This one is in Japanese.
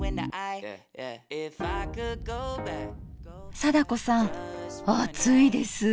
貞子さん暑いです！